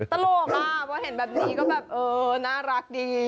ตลกมากเพราะเห็นอย่างนี้นะครับน่ารักดิ